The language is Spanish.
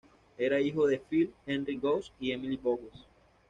Era hijo de Philip Henry Gosse y Emily Bowes.